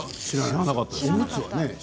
知らなかったです。